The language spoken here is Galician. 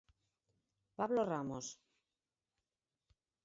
Pablo Ramos.